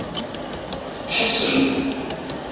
Ḥessem-d!